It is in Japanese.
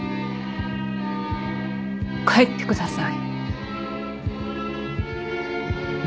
帰ってください。